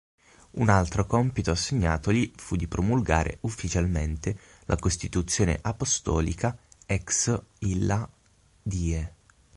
Un altro compito assegnatogli fu di promulgare ufficialmente la costituzione apostolica "Ex Illa Die".